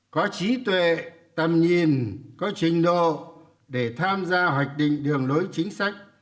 có trí tuệ tầm nhìn có trình độ để tham gia hoạch định đường lối chính sách